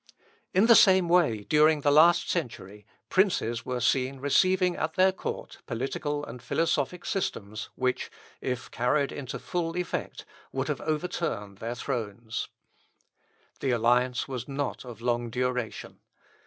In the same way, during the last century, princes were seen receiving at their court political and philosophic systems, which, if carried into full effect, would have overturned their thrones. The alliance was not of long duration.